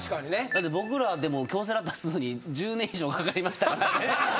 だって僕らでも京セラ立つのに１０年以上かかりましたからね。